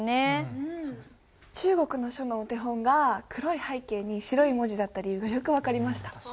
中国の書のお手本が黒い背景に白い文字だった理由がよく分かりました。